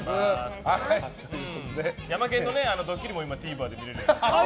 ヤマケンのドッキリも今、ＴＶｅｒで見れるんだよね。